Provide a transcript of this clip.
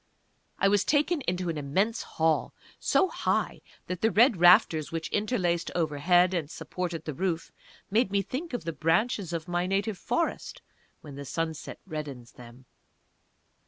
I was taken into an immense Hall, so high that the red rafters which interlaced overhead and supported the roof made me think of the branches of my native Forest, when the sunset reddens them.